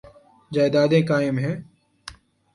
جائیدادیں قائم ہیں۔